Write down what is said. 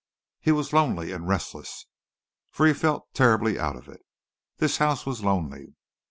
He was lonely and restless, for he felt terribly out of it. This house was lonely.